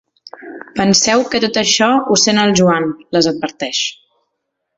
Penseu que tot això ho sent el Joan —les adverteix.